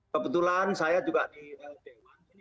kebetulan saya juga di ld